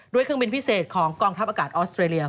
เครื่องบินพิเศษของกองทัพอากาศออสเตรเลีย